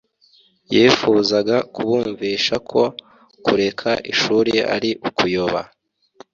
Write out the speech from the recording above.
yifuzaga kubumvisha ko kureka ishuri ari ukuyoba